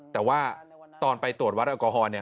แต่ว่าตอนไปตรวจวัดแอลกอฮอล์